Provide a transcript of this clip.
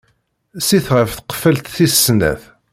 Sit ɣef tqeffalt tis snat.